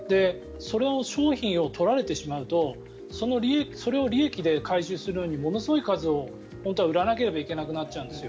商品を取られてしまうとそれを利益で回収するのにものすごい数を、本当は売らなければいけなくなっちゃうんですよ。